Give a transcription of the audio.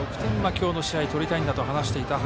今日の試合取りたいんだと話していた龍谷